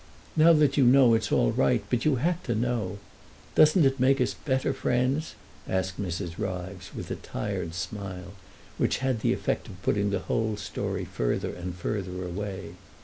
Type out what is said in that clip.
Now that you know, it's all right; but you had to know. Doesn't it make us better friends?" asked Mrs. Ryves, with a tired smile which had the effect of putting the whole story further and further away.